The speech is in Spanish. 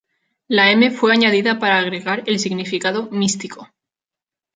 La "M" fue añadida para agregar el significado "Místico".